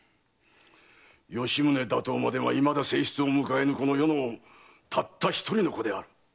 吉宗打倒までは未だ正室を迎えぬこの余のたった一人の子である。